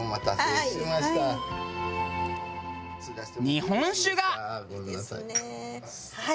日本酒が！